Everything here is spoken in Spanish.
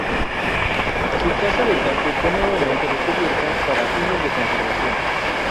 Su casa de campo fue nuevamente recubierta para fines de conservación.